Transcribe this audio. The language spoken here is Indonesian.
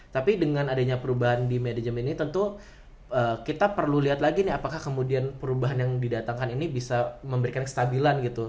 tapi dengan adanya perubahan di manajemen ini tentu kita perlu lihat lagi nih apakah kemudian perubahan yang didatangkan ini bisa memberikan kestabilan gitu